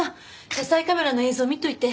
車載カメラの映像見ておいて。